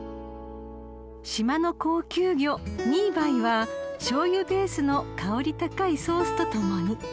［島の高級魚ミーバイはしょうゆベースの香り高いソースと共に］